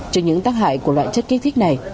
trên những tác hại của loại chất kích thích này